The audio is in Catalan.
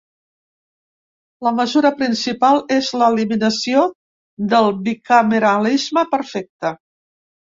La mesura principal és l’eliminació del bicameralisme perfecte.